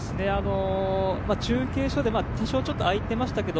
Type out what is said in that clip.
中継所で多少空いていましたけど